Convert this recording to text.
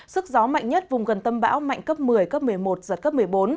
sức gió mạnh nhất vùng gần tâm bão mạnh cấp một mươi cấp một mươi một giật cấp một mươi bốn